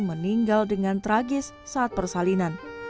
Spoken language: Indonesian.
meninggal dengan tragis saat persalinan